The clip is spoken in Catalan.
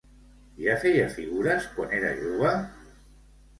Ja feia figures quan era jove?